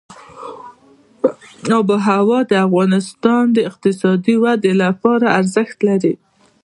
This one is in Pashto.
آب وهوا د افغانستان د اقتصادي ودې لپاره ارزښت لري.